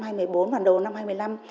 hoàn đầu năm hai nghìn một mươi năm